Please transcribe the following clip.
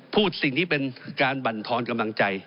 พูดสิ่งที่เป็นการบรรทอนกำลังใจ